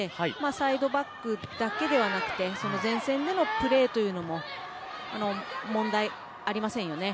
サイドバックだけではなくて前線でのプレーというのも問題ありませんよね。